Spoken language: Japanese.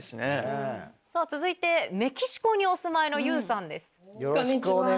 続いてメキシコにお住まいのゆうさんです。